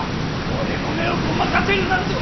俺の目をごまかせるなんぞ。